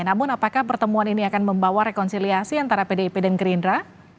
namun apakah pertemuan ini akan membawa rekonsiliasi antara pdip dan gerindra